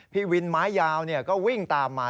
พี่วินไม้ยาวก็วิ่งตามมา